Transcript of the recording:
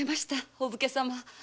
お武家様。